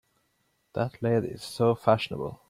That lady is so fashionable!